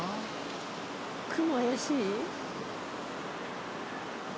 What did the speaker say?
「雲怪しい？」